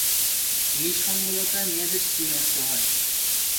নিঃসস্বলতায় মেয়েদের শ্রী নষ্ট হয়।